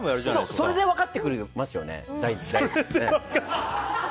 それで大体分かってきますよね。